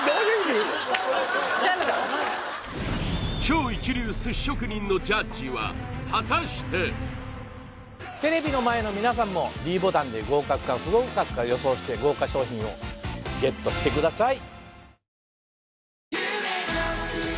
超一流寿司職人のジャッジは果たしてテレビの前の皆さんもｄボタンで合格か不合格か予想して豪華賞品をＧＥＴしてください